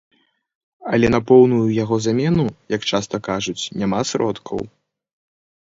Але на поўную яго замену, як часта кажуць, няма сродкаў.